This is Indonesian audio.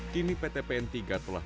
kini pt pn tiga telah